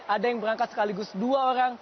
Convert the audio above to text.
ada yang berangkat sekaligus dua orang